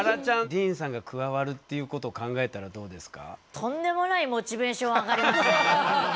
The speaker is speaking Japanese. ディーンさんが加わるっていうことを考えたらどうですか？